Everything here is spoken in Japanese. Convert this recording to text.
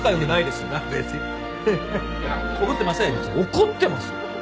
怒ってますよ。